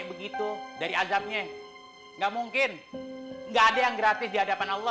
kenapa jadi diceramahin